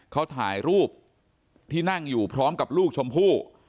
เขาถ่ายรูปที่นั่งอยู่พร้อมกับลูกชมพู่